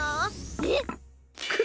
えっ！？